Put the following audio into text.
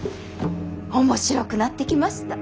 面白くなってきました。